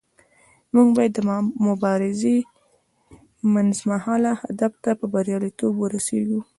موږ باید د مبارزې منځمهاله هدف ته په بریالیتوب ورسیږو.